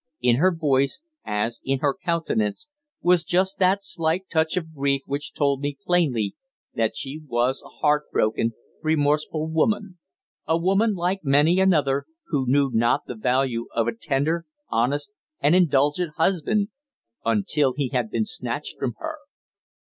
In her voice, as in her countenance, was just that slight touch of grief which told me plainly that she was a heart broken, remorseful woman a woman, like many another, who knew not the value of a tender, honest and indulgent husband until he had been snatched from her.